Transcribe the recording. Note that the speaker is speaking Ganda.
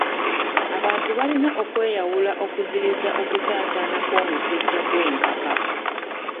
Abantu balina okweyawula okuziyiza okusaasaana kw'omusujja gw'enkaka.